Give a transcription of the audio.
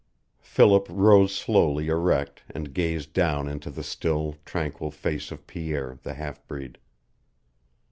Philip rose slowly erect and gazed down into the still, tranquil face of Pierre, the half breed.